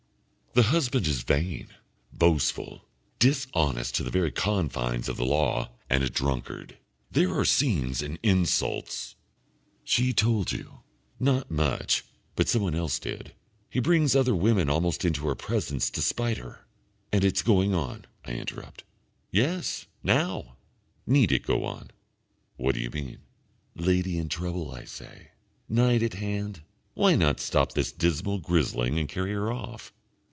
"The husband is vain, boastful, dishonest to the very confines of the law, and a drunkard. There are scenes and insults " "She told you?" "Not much, but someone else did. He brings other women almost into her presence to spite her." "And it's going on?" I interrupt. "Yes. Now." "Need it go on?" "What do you mean?" "Lady in trouble," I say. "Knight at hand. Why not stop this dismal grizzling and carry her off?"